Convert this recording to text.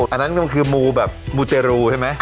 อันนั้นมันคือมูแบบมูเจรูใช่ไหม